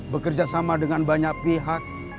bekerja sama dengan banyak pihak